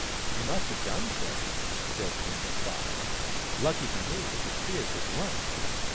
" You must have done so," said Inda, crossly. " Lucky for me that the spears were blunt